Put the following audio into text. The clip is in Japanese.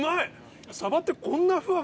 サバってこんな。